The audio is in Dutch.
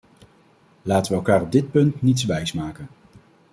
Laten we elkaar op dit punt niets wijs maken!